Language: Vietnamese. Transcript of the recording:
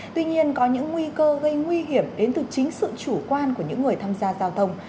tuy nhiên có những nguy cơ gây nguy hiểm đến từ chính sự chủ quan của những người tham gia giao thông